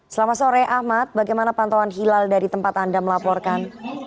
selamat sore ahmad bagaimana pantauan hilal dari tempat anda melaporkan